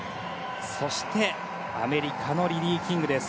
そして、アメリカのリリー・キングです。